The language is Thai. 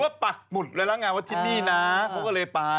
ถือว่าปักบุตรแล้วล่ะไงว่าที่นี่นะเขาก็เลยไป